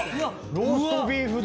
・ローストビーフ丼。